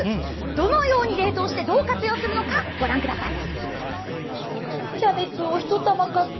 どのように冷凍しどう活用するのか、ご覧ください。